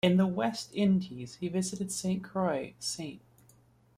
In the West Indies, he visited Saint Croix, Saint.